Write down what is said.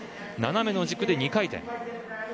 斜めの軸で２回転。